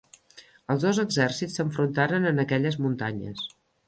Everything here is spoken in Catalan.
Els dos exèrcits s'enfrontaren en aquelles muntanyes.